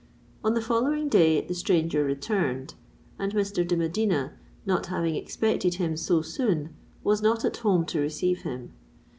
On the following day the stranger returned; and Mr. de Medina, not having expected him so soon, was not at home to receive him.